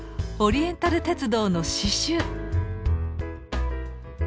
オリエンタル鉄道の刺しゅう。